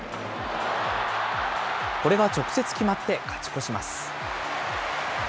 これが直接決まって勝ち越します。